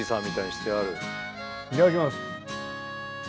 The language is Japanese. いただきます。